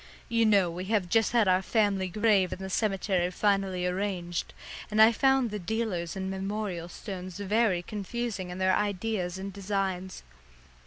You know we have just had our family grave in the cemetery finally arranged, and I found the dealers in memorial stones very confusing in their ideas and designs.